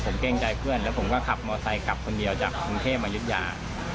ผมเกรงใจเพื่อนแล้วผมก็ขับมอไซค์กลับคนเดียวจากกรุงเทพมายุธยา